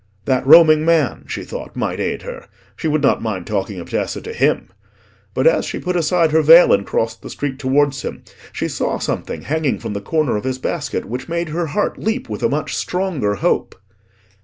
That roaming man, she thought, might aid her: she would not mind talking of Tessa to him. But as she put aside her veil and crossed the street towards him, she saw something hanging from the corner of his basket which made her heart leap with a much stronger hope.